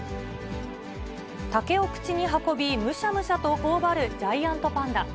竹を口に運び、むしゃむしゃとほおばるジャイアントパンダ。